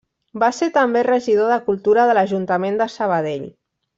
Va ser també regidor de Cultura de l'Ajuntament de Sabadell.